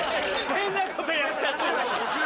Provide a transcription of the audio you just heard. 変なことやっちゃってじゃない。